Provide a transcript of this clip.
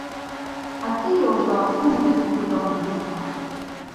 А тыя ўжо актыўна вядуць будаўніцтва.